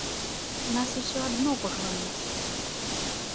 Нас усё адно паглынуць.